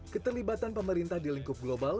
keterlibatan pemerintah di lingkup global